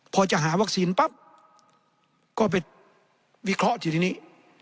พอจะหาวัคซีนปั๊บก็ไปวิเคราะห์ทีนี้